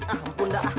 ah ampun dah